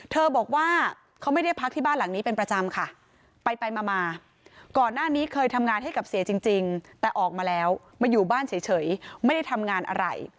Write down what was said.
บอกว่าเขาไม่ได้พักที่บ้านหลังนี้เป็นประจำค่ะไปมาก่อนหน้านี้เคยทำงานให้กับเสียจริงแต่ออกมาแล้วมาอยู่บ้านเฉยไม่ได้ทำงานอะไร